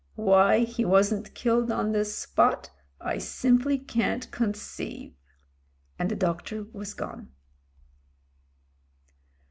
Why he wasn't killed on the spot, I simply can't conceive." And the doctor was gone.